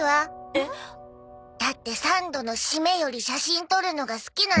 えっ？だって三度のシメより写真撮るのが好きなんでしょ？